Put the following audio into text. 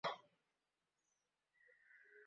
আপনার কাছে ও আজ আশীর্বাদ লইতে আসিয়াছে।